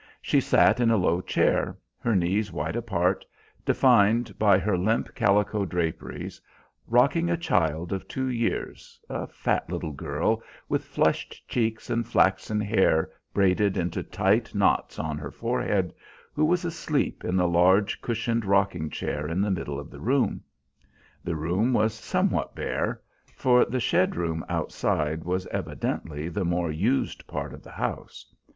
She sat in a low chair, her knees wide apart, defined by her limp calico draperies, rocking a child of two years, a fat little girl with flushed cheeks and flaxen hair braided into tight knots on her forehead, who was asleep in the large cushioned rocking chair in the middle of the room. The room was somewhat bare, for the shed room outside was evidently the more used part of the house.